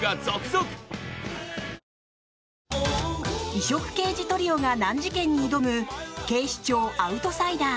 異色刑事トリオが難事件に挑む「警視庁アウトサイダー」。